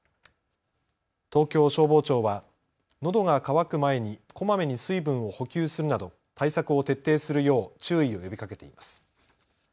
東京消防庁はのどが渇く前にこまめに水分を補給するなど対策を徹底するよう注意を呼びかけています。